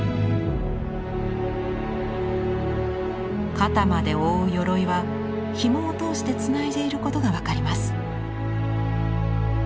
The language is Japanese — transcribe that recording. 肩まで覆う鎧はひもを通してつないでいることが分かります。